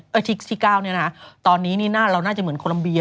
อาทิตย์ที่๙เนี่ยนะตอนนี้เราน่าจะเหมือนโคลมเบีย